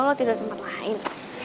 lo tidak di tempat lain